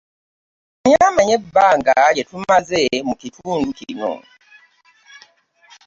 Ani amanyi ebbanga lye tumaze mu kitundu kino?